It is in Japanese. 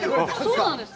そうなんです。